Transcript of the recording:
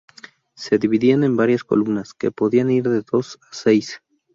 Se dividían en varias columnas, que podían ir de dos a seis.